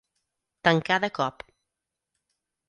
Tancar de cop.